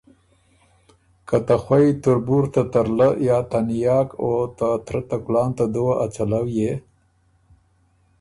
که ته خوئ تُربُور ته ترلۀ یا ته نیاک او ته ترۀ ته کلان، ته دُوه ا څلؤ يې